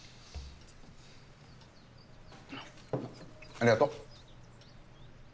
ありがと！